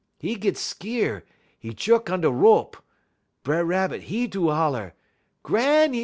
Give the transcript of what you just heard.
'E git skeer, 'e juk on da rope. B'er Rabbit, 'e do holler: "'_Granny!